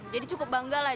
jadi cukup bangga lah